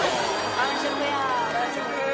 完食や。